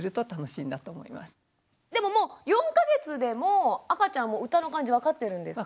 でももう４か月でも赤ちゃんも歌の感じ分かってるんですか？